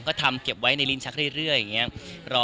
ทำเป็นจะเก็บไว้ในลิปนี้เดี๋ยวหลัก